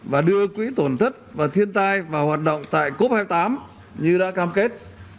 và đưa quỹ tổn thất và thiên tai vào hoạt động tại cop hai mươi tám như đã cam kết